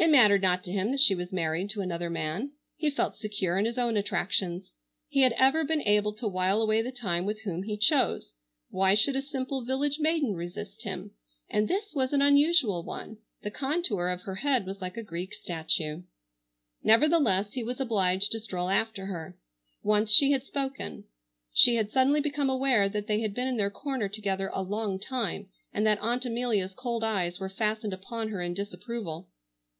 It mattered not to him that she was married to another man. He felt secure in his own attractions. He had ever been able to while away the time with whom he chose, why should a simple village maiden resist him? And this was an unusual one, the contour of her head was like a Greek statue. Nevertheless he was obliged to stroll after her. Once she had spoken. She had suddenly become aware that they had been in their corner together a long time, and that Aunt Amelia's cold eyes were fastened upon her in disapproval.